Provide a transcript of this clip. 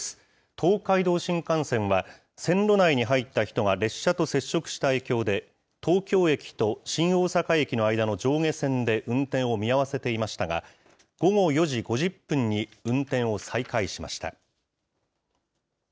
東海道新幹線は、線路内に入った人が列車と接触した影響で、東京駅と新大阪駅の間の上下線で運転を見合わせていましたが、午後４時５０分に運転を再開しました。